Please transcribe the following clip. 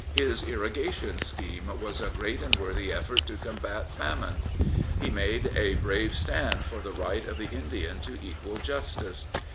His Irrigation scheme was a great and worthy effort to combat famine. He made a brave stand for the right of the Indian to equal justice.